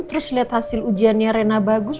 terus lihat hasil ujiannya rena bagus